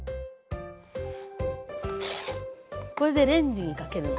これでレンジにかけるの。